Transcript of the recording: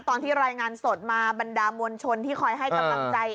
ตอนที่รายงานสดมาบรรดามวลชนที่คอยให้กำลังใจ